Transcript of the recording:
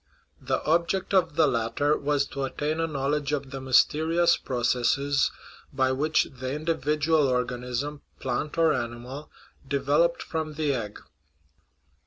The object of the latter was to attain a knowledge of the mysterious processes by which the individual organ ism, plant or animal, developed from the egg.